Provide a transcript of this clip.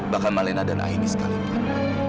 bahkan malena dan aini sekalipun